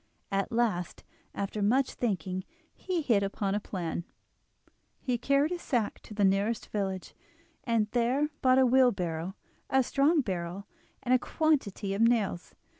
At last, after much thinking, he hit upon a plan. He carried his sack to the nearest village, and there bought a wheelbarrow, a strong barrel, and a quantity of nails.